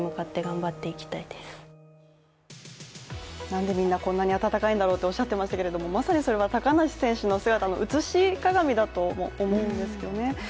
なんでみんなこんなに温かいんだろうとおっしゃってましたけど、まさにそれは高梨選手の姿の映し鏡だとも思うんですよね。